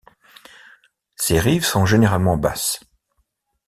Ses rives sont généralement basses.